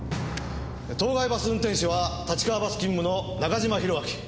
当該バス運転手は立川バス勤務の中島弘昭。